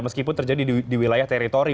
meskipun terjadi di wilayah teritori